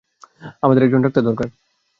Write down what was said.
আমাদের একজন ডাক্তার দরকার!